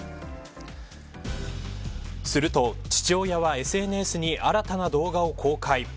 すると、父親はＳＮＳに新たな動画を公開。